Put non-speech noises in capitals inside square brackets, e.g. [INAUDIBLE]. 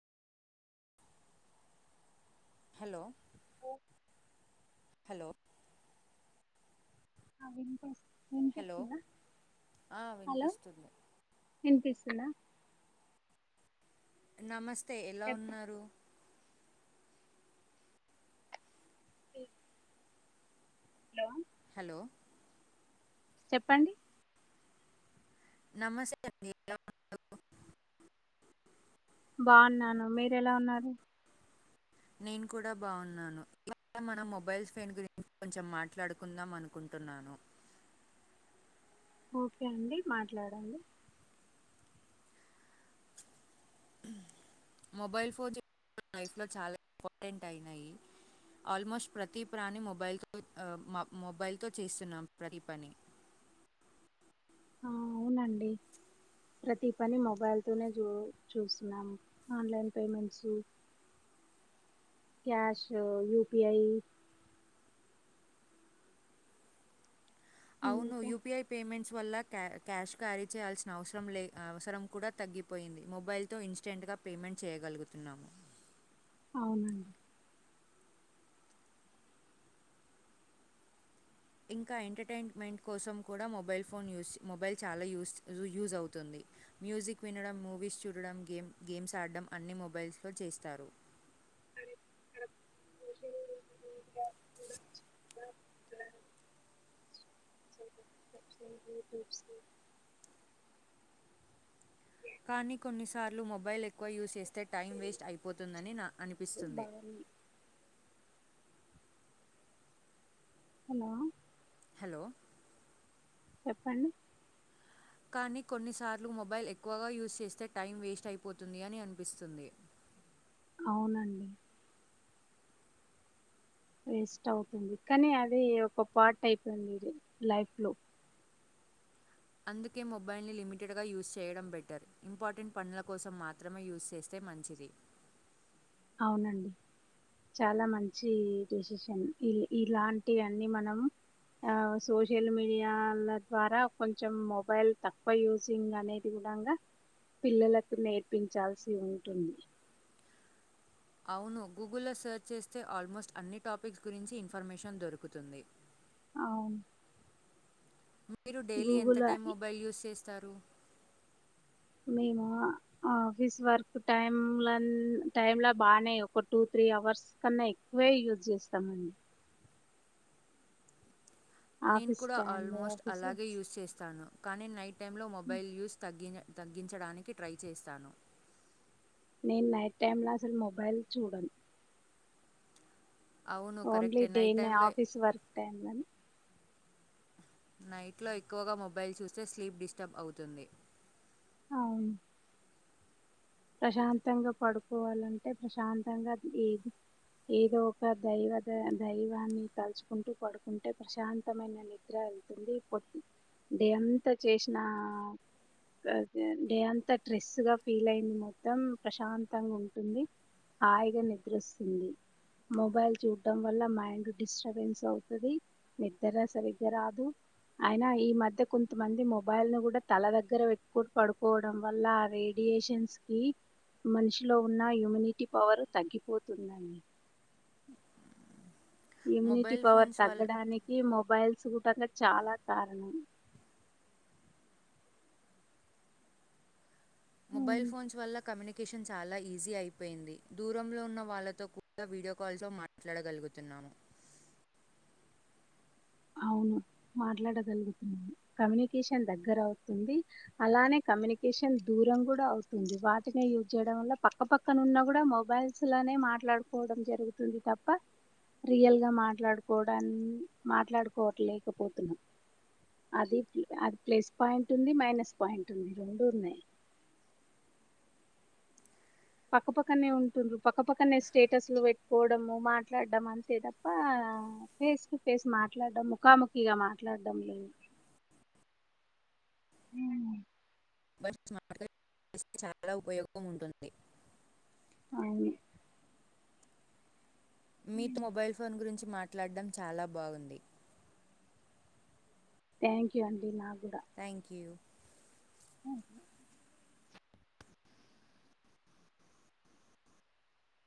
Hello hello అవింకా hello hello వినిపిస్తుంది వినిపిస్తుందా నమస్తే అతే ఎలా చెప్ప ఉన్నారు ఇ హలో హలో చెప్పండి నమస్తే అండి బాగున్నాను మీర ఎలా ఉన్నారు నేను కూడా బాగున్నాను ఇ మన మొబైల్ ఫోన్ గురించి కొంచెం మాట్లాడుకుందాం అనుకుంటున్నాను ఓకే అండి మాట్లాడంాలడి మొబైల్ ఫోన్ లైఫ్లో చాలా ఇంపార్టెంట్ అయినాయి ఆల్మోస్ట్ ప్రతి ప్రాణి మొబైల్ త చేస్తున్నాం ప్రతి పని అవునండి ప్రతిీ పని మొబైల్తోనే చూ చూస్తున్నాము ఆన్లైన్ పేమెంట్స్ క్యాష్ యూపిఐ అవును ఇంకా యయుపిఐ పేమెంట్ స్ వల్ల క్యా క్యాష్ క్యారీ చేయాల్సిన అవసరం లే అవసరం కూడా తగ్గిపోయింది మొబైల్తో ఇన్స్టెంట్గా పేమెంట్ చేయగలుగుతున్నాము అవునండి ఇంకా ఎంటర్టైన్మెంట్ కోసం కూడా మొబైల్ ఫోన్ మొబైల్ చాలా యూస్్ అవుతుంది మ్యూజిక్ వినడం మూవీస్ చూడడం గేమ్స్ ఆడడం అన్ని మొబైల్స్లో చేస్తారు అ కానీ కొన్నిసార్లు మొబైల్ ఎ ఎక్కువ యూస్్ చేస్తే టైం వేస్ట్ అయిపోతుందని నా అనిపిస్తుంది బాగుంది హలో హలో చెప్పండి కానీ కొన్నిసార్లు మొబైల్ ఎక్కువగా యూస్్ చేస్తే టైం వేస్ట్ అయిపోతుంది అని అనిపిస్తుంది అవునండి వేస్ట్ అవుతుంది కానీ అది ఒక పార్ట్ అయిపోయిందిది లైఫ్ లో అందుకే మొబైల్ని లిమిటెడ్గా యూజ్ చేయడం బెటర్ ఇంపార్టెంట్ పనుల కోసం మాత్రమే యూస్్ చేస్తే మంచిది అవునండి చాలా మంచి డిసిషన్ ఇలాంటివన్నీ మనము సోషల్ మీడియాల ద్వారా కొంచెం మొబైల్ తక్కువ యూసిింగ్ అనేది కూడాంగా పిల్లలకు నేర్పించాల్సి ఉంటుంది అవును గూగుల్లో సెర్చ్ చేస్తే ఆల్మోస్ట్ అన్ని టాపిక్స్ గురించి ఇన్ఫర్మేషన్ దొరుకుతుంది. అవున్ మీరు డైలీ ఎంత టైం మొబైల్ యూజ్ చేస్ తరు. మేమా ఆఫీస్ వర్క్ టైం టైమ్లా బానే ఒక టూ త్రీ అవర్స్ కన్నా ఎక్కువే యూజ్ చేస్తామండి. నేను ఆఫీస్ కూడా టైమ్ లో ఆల్మోస్ట్ ఆఫీస్ అలాగే వర్క్స్ యూస్ చేస్తాను. కానీ నైట్ టైమ్లో మొబైల్ యూస్ తగ్గిన తగ్గించడానికి ట్రై చేస్తాను. నేను నైట్ టైమ్ల అసలు మొబైల్ చూడను. అవును ఓన్లీ కరెక్టే డే నైట్ టైంలో ఆఫీస్ వర్క్ టైమ్లానే నైట్లో ఎక్కువగా మొబైల్ చూస్తే స్లీప్ డిస్టర్బ్ అవుతుంది. అవును. ప్రశాంతంగా పడుకోవాలంటే ప్రశాంతంగా ఏ ఏదో ఒక దైవ ద దైవాన్ని తలుచుకుంటూ పడుకుంటే ప్రశాంతమైన నిద్ర వెళ్తుంది డే అంత చేసిన డే అంత ట్రెస్గా ఫీల్ అయిన మ ప్రశాంతంగా ఉంటుంది. హాయిగా నిద్రిస్తుంది. మొబైల్ చూడ్డడం వల్ల మైండ్ డిస్టర్బెన్స్ అవుతది, నిద్ర సరిగ్గా రాదు అయినా ఈ మధ్య కొంతమంది మొబైల్ ను గుడా తల దగ్గర పెట్కొని పడుకోవడం వల్ల రేడియేషన్స్ కీ మనిషిలో ఉన్న ఇమ్యూనిటి పవర్ తగ్గిపోతుందని ఇమ్యూనిటీ మొబైల్ పవర్ ఫోన్స్ వల్ల తగ్గడానికి మొ మొబైల్స్ గుటంగా చాలా కారణం మొబైల్ ఉమ్ ఫోన్స్ వల్ల కమ్యూని కేషన్ చాలా ఈజీ అయిపోయింది. దూరంలో ఉన్న వాళ్లతో కూడా వీడియో కాల్తో మాట్లాడగలుగుతున్నాము. అవును మాట్లాడగలుగుతున్నాము. కమ్యూనికేషన్ దగ్గర అవుతుంది. అలానే కమ్యూనికేషన్ దూరం కూడా అవుతుంది. వాటినే యూజ్ చేయడం వల్ల పక్కపక్కనున్న గుడా మొబైల్సనే మాట్లాడుకోవడం జరుగుతుంది తప్ప రియల్గా మాట్లాడుకోవడా మాట్లాడుకోవట్లేకపోతున్నాం అది అది ప్లస్ పాయింట్ ఉంది మైనస్ పాయింట్ ఉంది రెండు ఉన్నాయి. పక్కపక్కనే ఉంటుండ్రు పక్కపక్కనే స్టేటస్లు పెట్టుకోవడంము, మాట్లాడడం అంతే తప్ప ఫేస్ టు ఫేస్ మాట్లాడడం ముఖాముఖిగా మాట్లాడడం లేదు. హ్మ్ బస్ స్మార్ట్ చాలా ఉపయోగం ఉంటుంది. అవును మీతో మొబైల్ ఫోన్ గురిం నుంచి మాట్లాడడం చాలా బాగుంది. థ్యాంక్ యూ అండి నా థ్యాంక్ యూ [INAUDIBLE]